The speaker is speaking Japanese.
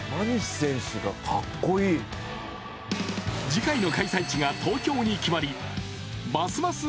次回の開催地が東京に決まりますます